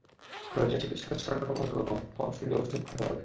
প্রয়োজনে চিকিৎসকের শরণাপন্ন হতে হবে এবং তাঁর পরামর্শ অনুযায়ী ওষুধ খেতে হবে।